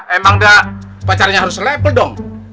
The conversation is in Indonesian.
emang dia pacarnya harus level dong